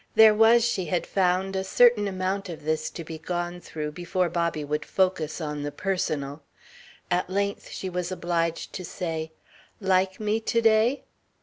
There was, she had found, a certain amount of this to be gone through before Bobby would focus on the personal. At length she was obliged to say, "Like me to day?"